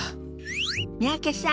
三宅さん